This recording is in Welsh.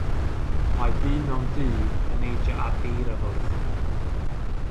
Mae dyn mewn du yn neidio ar eirafwrdd.